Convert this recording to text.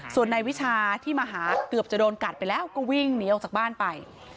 ส่วนนายวิชาที่มาหาเกือบจะโดนกัดไปแล้วก็วิ่งหนีออกจากบ้านไป